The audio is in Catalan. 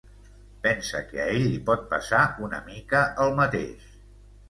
Pensa que a ell li pot passar una mica el mateix.